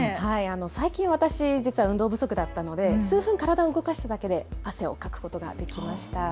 最近、私運動不足だったので数分体を動かしただけで汗をかくことができました。